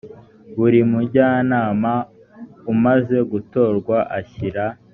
buri mujyanama umaze gutorwa ashyira